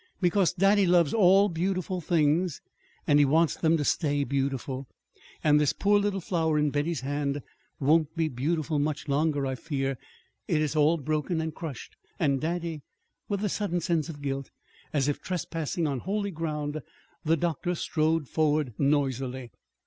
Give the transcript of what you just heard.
"Because daddy loves all beautiful things, and he wants them to stay beautiful. And this poor little flower in Betty's hand won't be beautiful much longer, I fear. It is all broken and crushed; and daddy " With a sudden sense of guilt, as if trespassing on holy ground, the doctor strode forward noisily.